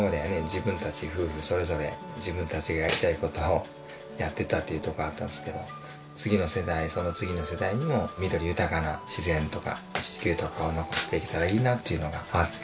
自分たち夫婦それぞれ自分たちがやりたい事をやってたというとこがあったんですけど次の世代その次の世代にも緑豊かな自然とか地球とかを残していけたらいいなっていうのがあって。